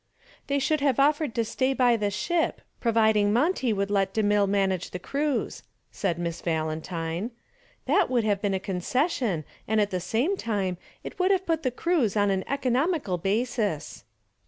"They should have offered to stay by the ship providing Monty would let DeMille manage the cruise," said Miss Valentine. "That would have been a concession and at the same time it would have put the cruise on an economical basis."